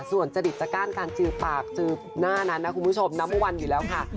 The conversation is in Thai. ส่วนจริตจะก้านการจือปากจือหน้านั้นนะคุณผู้ชมนับว่าวันอยู่แล้วค่ะ